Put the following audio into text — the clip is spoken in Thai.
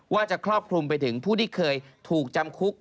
ว่าจะครอบคลุมไปถึงผู้ที่เคยถูกจำคุก